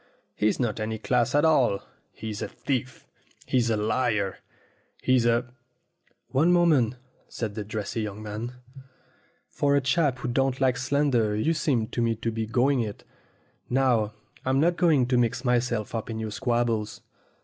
He's not any class at all. He's a thief! He's a liar! He's a " "One moment," said the dressy young man. "For 32 STORIES WITHOUT TEARS a chap who don't like slander you seem to me to be going it. Now, I'm not going to mix myself up in your squabbles.